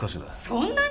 そんなに！？